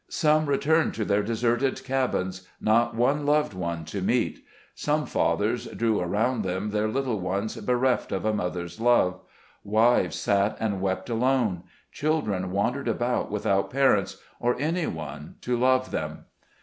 Some returned to their deserted cabins, not one loved one to meet ; some fathers drew around them their little ones, bereft of a mother's love ; wives sat and wept alone ; children wandered about without parents, SEVERING OF FAMILY TIES. 209 or any one to love them.